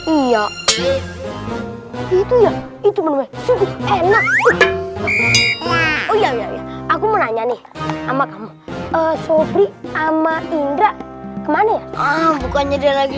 iya itu ya itu enak aku menanyakan sama kamu sopri ama indra kemana bukannya dia lagi